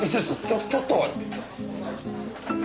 ちょっと！